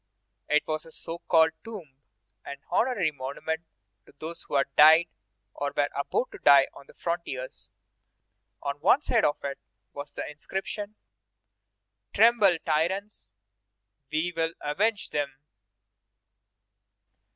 It was a so called tomb, an honorary monument to those who had died or were about to die on the frontiers. On one side of it was the inscription: "Tremble, tyrants; we will avenge them!"